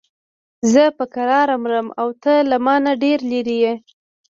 زه په کراره مرم او ته له مانه ډېر لرې یې.